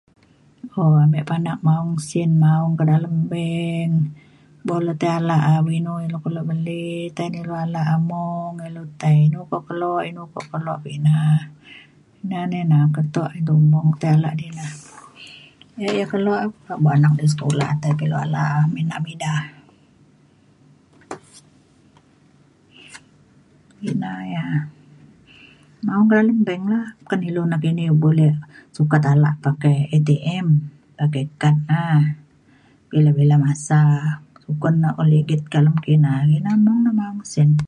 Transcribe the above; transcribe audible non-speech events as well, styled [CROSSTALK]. um um ame panak maong sin maong kak dalem bank bo le tai ala um inu inu kelo beli tai na ilu ala mung ilu tai inu pe inu pe kelo ina. na ne na keto ilu mung tai ala di na ya yak [UNINTELLIGIBLE] anak sekula tai kelo ala nak me ida. ina ia’ maong kak dalem bank la. kan ilu nakini buleh sukat ala edei ATM pakai kad na bila bila masa. sukun na un ligit kalem kina ina mung na maong sin.